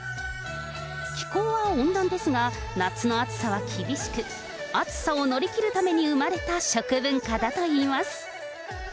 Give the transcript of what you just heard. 気候は温暖ですが、夏の暑さは厳しく、暑さを乗り切るために生まれた食文化だといいます。